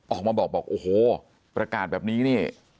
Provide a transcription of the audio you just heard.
ออกมาบอกประกาศแบบนี้